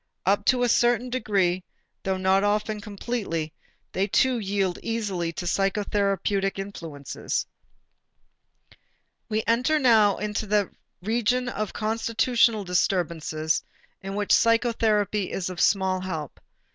Up to a certain degree, though not often completely, they too yield easily to psychotherapeutic influence. We enter now that region of constitutional disturbances in which psychotherapy is of small help.